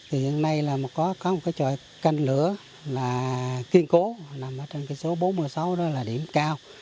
hiện nay là có một cái chòi canh lửa kiên cố nằm ở trong cái số bốn mươi sáu đó là điểm cao